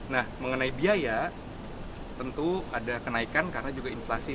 nah mengenai biaya tentu ada kenaikan karena juga inflasi